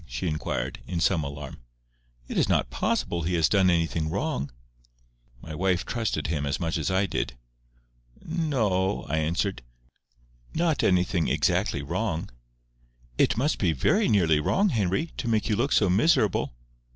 she inquired, in some alarm. "It is not possible he has done anything wrong." My wife trusted him as much as I did. "No—o—o," I answered. "Not anything exactly wrong." "It must be very nearly wrong, Henry, to make you look so miserable."